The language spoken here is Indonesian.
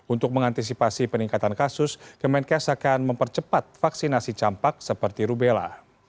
untuk mengantisipasi peningkatan kasus kemenkes akan mempercepat vaksinasi campak seperti rubella